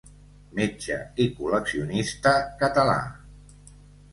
Metge i col·leccionista català.